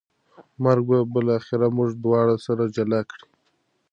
مرګ به بالاخره موږ دواړه سره جلا کړي